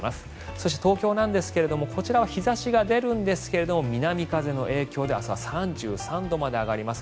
そして東京ですがこちらは日差しが出るんですが南風の影響で明日は３３度まで上がります。